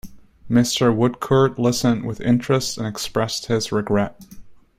Mr. Woodcourt listened with interest and expressed his regret.